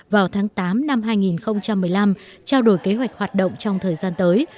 vào tháng tám năm hai nghìn một mươi năm trao đổi kế hoạch hoạt động trong thời gian tới